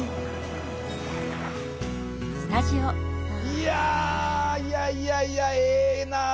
いやいやいやいやええな。